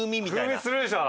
風味するでしょ。